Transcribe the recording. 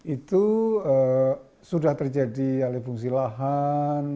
itu sudah terjadi alih fungsi lahan